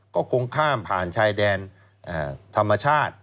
ก็คงข้ามผ่านชายแดนธรรมชาติ